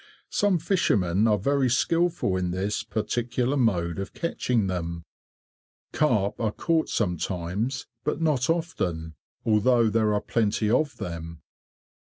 Some fishermen are very skilful in this particular mode of catching them. Carp are caught sometimes, but not often, although there are plenty of them.